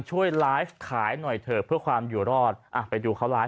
ช่วยขายหน่อยเถอะเพื่อความอยู่รอดไปดูเขา